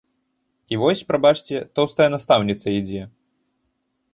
І вось, прабачце, тоўстая настаўніца ідзе.